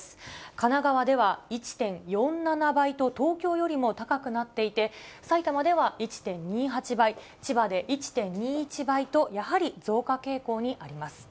神奈川では１．４７倍と、東京よりも高くなっていて、埼玉では１．２８倍、千葉で１．２１倍と、やはり増加傾向にあります。